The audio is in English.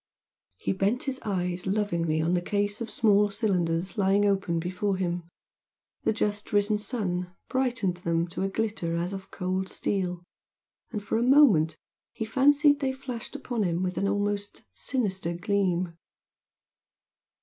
He bent his eyes lovingly on the case of small cylinders lying open before him; the just risen sun brightened them to a glitter as of cold steel, and for a moment he fancied they flashed upon him with an almost sinister gleam.